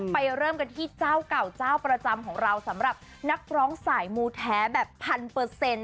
เริ่มกันที่เจ้าเก่าเจ้าประจำของเราสำหรับนักร้องสายมูแท้แบบพันเปอร์เซ็นต์